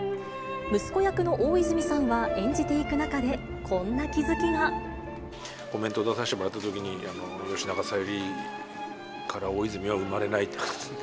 息子役の大泉さんは演じていく中で、コメント出させてもらったときに、吉永小百合から大泉洋は生まれないとかって。